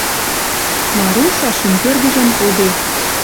Маруся шӱм кӧргӹжӹм пуде